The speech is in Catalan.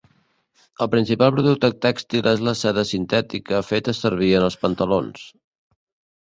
El principal producte tèxtil és la tela sintètica feta servir en els pantalons.